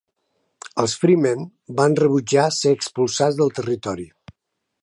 Els Freemen van rebutjar ser expulsats del territori.